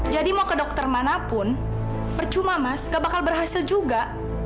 jadi mau ke dokter manapun percuma mas gak bakal berhasil juga